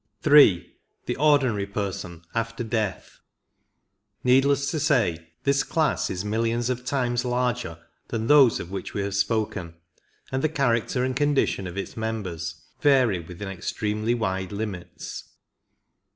3. The Ordinary Person after death. Needless to say, this class is millions of times larger than those of which we have spoken, and the character and condition of its members vary within extremely wide limits.